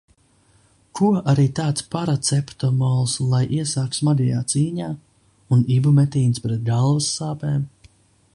Ko arī tāds paraceptomols lai iesāk smagajā cīņā? Un ibumetīns pret galvas sāpēm?